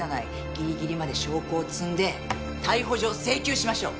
ギリギリまで証拠を積んで逮捕状請求しましょう。